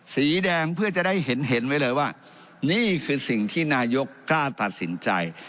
สีแดงเพื่อจะได้เห็นเห็นไว้เลยว่านี่คือสิ่งที่นายกกล้าตัดสินใจ